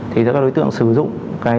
thì các đối tượng sử dụng